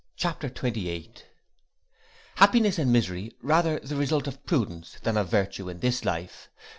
CHAPTER XXVIII. Happiness and misery rather the result of prudence than of virtue in this life.